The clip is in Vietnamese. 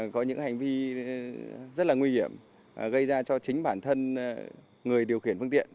có những hành vi rất là nguy hiểm gây ra cho chính bản thân người điều khiển phương tiện